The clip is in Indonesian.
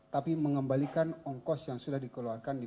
tapi mengembalikan ongkos yang sudah dikeluarkan di bergantung